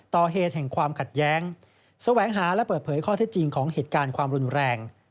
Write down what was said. ต่อเหตุแห่งความขัดแย้งแสวงหาและเปิดเผยข้อเท็จจริงของเหตุการณ์ความรุนแรง